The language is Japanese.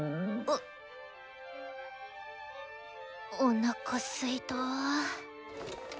おなかすいた。